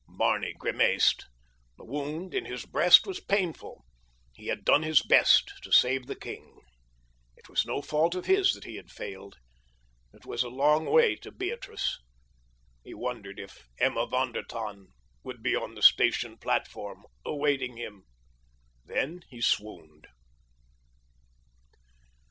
Barney grimaced. The wound in his breast was painful. He had done his best to save the king. It was no fault of his that he had failed. It was a long way to Beatrice. He wondered if Emma von der Tann would be on the station platform, awaiting him—then he swooned.